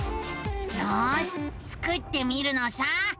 よしスクってみるのさ。